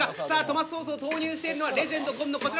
さあトマトソースを投入しているのはレジェンド紺野。